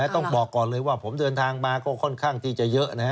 ต้องบอกก่อนเลยว่าผมเดินทางมาก็ค่อนข้างที่จะเยอะ